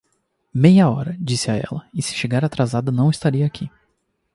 Meia hora, eu disse a ela, e se chegar atrasada não estarei aqui.